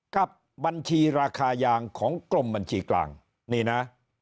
กับบัญชีราคายางของกรมบัญชีกลางนี่นะ